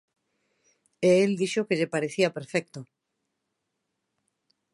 E el dixo que lle parecía perfecto.